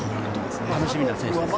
楽しみな選手です。